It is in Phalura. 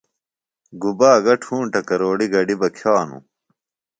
گُبا گہ ٹُھونٹہ کروڑیۡ گڈیۡ بہ کِھئانوۡ